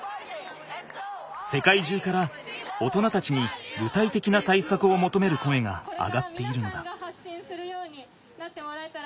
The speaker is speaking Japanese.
世界中から大人たちに具体的な対策をもとめる声が上がっているのだ。